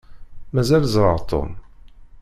Mazal ẓeṛṛeɣ Tom.